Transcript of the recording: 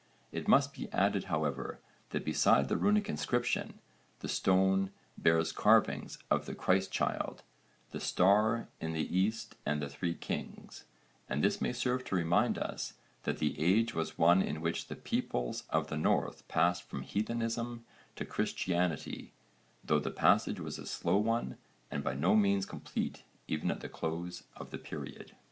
It must be added however that beside the runic inscription, the stone bears carvings of the Christ child, the star in the east and the three kings, and this may serve to remind us that the age was one in which the peoples of the North passed from heathenism to Christianity, though the passage was a slow one and by no means complete even at the close of the period.